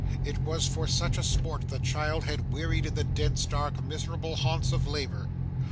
It was for such a spot the child had wearied in the dense, dark, miserable haunts of labour.